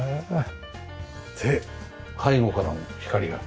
で背後からも光が。